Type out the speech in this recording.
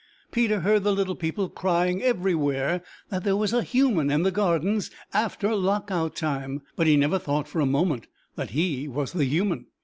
Peter heard the little people crying everywhere that there was a human in the Gardens after Lock out Time, but he never thought for a moment that he was the human.